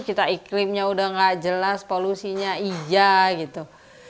kita iklimnya udah gak jelas polusinya ija gitu